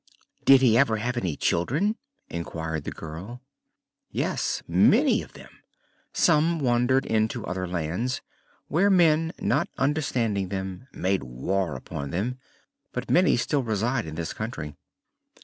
"Did he ever have any children?" inquired the girl. "Yes, many of them. Some wandered into other lands, where men, not understanding them, made war upon them; but many still reside in this country.